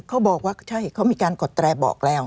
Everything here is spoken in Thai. เขาบอกว่าชาเหตุเขามีการอดแต่บอกแล้ว